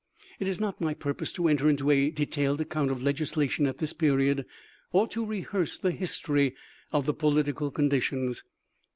'" It is not my purpose to enter into a detailed ac count of legislation at this period or to rehearse the history of the political conditions.